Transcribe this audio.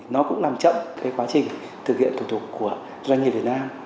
nó cũng nằm chậm cái quá trình thực hiện thủ tục của doanh nghiệp việt nam